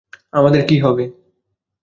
আমাদের কী হবে?